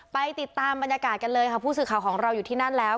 ไปติดตามบรรยากาศกันเลยค่ะผู้สื่อข่าวของเราอยู่ที่นั่นแล้ว